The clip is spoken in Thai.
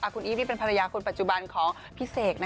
คุณอีฟนี่เป็นภรรยาคนปัจจุบันของพี่เสก